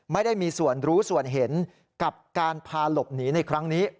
ไม่ได้มีส่วนรู้ส่วนเห็นกับการพาหลบหนีในครั้งนี้